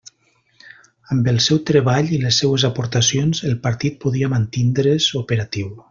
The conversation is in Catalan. Amb el seu treball i les seues aportacions, el partit podia mantindre's operatiu.